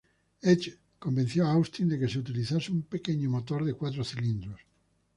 Edge convenció a Austin de que se utilizase un pequeño motor de cuatro cilindros.